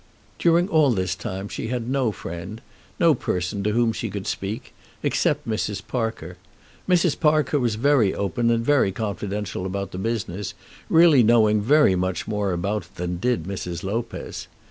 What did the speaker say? During all this time she had no friend, no person to whom she could speak, except Mrs. Parker. Mrs. Parker was very open and very confidential about the business, really knowing very much more about it than did Mrs. Lopez.